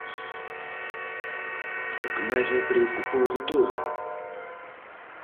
¿O que máis me preocupou de todo?